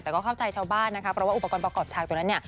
แต่ก็เข้าใจชาวบ้านนะคะเพราะว่าอุปกรณ์ประกอบชากตัวนั้นเนี่ย